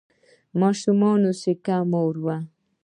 ماشومانو سکه مور وم